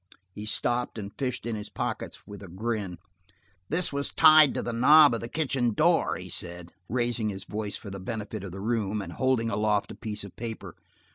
He stopped and fished in his pockets with a grin. "This was tied to the knob of the kitchen door," he said, raising his voice for the benefit of the room, and holding aloft a piece of paper.